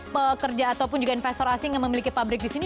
pekerja ataupun juga investor asing yang memiliki pabrik di sini